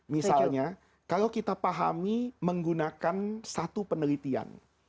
misalnya kalau kita pahami menggunakan satu penelitian